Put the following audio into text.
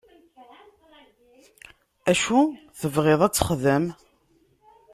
Acu tebɣiḍ ad t-texdem?